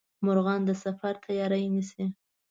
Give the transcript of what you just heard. مرغان د سفر تیاري نیسي